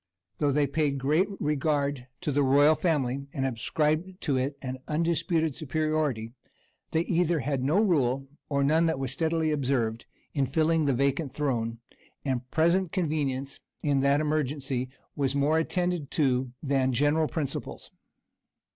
Though they paid great regard to the royal family, and ascribed to it an undisputed superiority, they either had no rule, or none that was steadily observed, in filling the vacant throne; and present convenience, in that emergency, was more attended to than general principles.